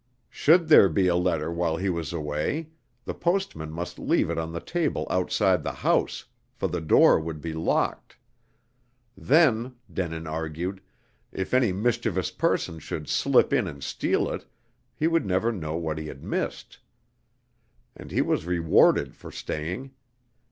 Should there be a letter while he was away, the postman must leave it on the table outside the house, for the door would be locked. Then, Denin argued, if any mischievous person should slip in and steal it, he would never know what he had missed. And he was rewarded for staying.